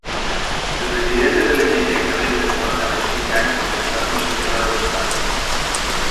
El president és elegit directament per un mandat de cinc anys mitjançant un sistema de dos tandes.